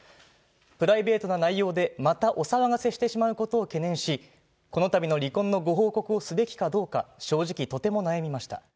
プライベートな内容でまたお騒がせしてしまうことを懸念し、このたびの離婚のご報告をすべきかどうか、正直とても悩みました。